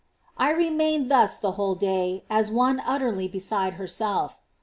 I remained thus the whole day, as one utterly beside herself.